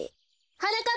はなかっ